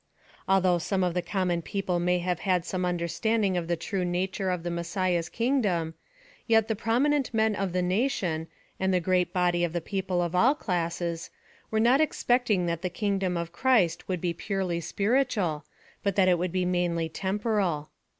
Although some of the common peo ple may have had some understanding of the true nature of the Messiah's kingdom, yet the prom 'nent men of the nation, and the great body of the PLAN OF SALVATION. 129 people of all classes, were not expecting tliat the kingdom of Christ would be purely spiritual, but that it would be mainly temporal.